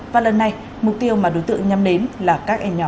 và lần này mục tiêu mà đối tượng nhắm đến là các em nhỏ